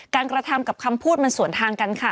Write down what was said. กระทำกับคำพูดมันสวนทางกันค่ะ